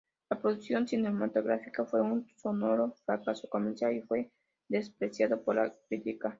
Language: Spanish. La producción cinematográfica fue un sonoro fracaso comercial y fue despreciado por la crítica.